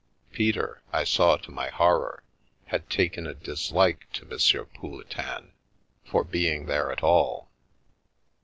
Peter, I saw to my horror, had taken a dislike to M. Pouletin for being there at all.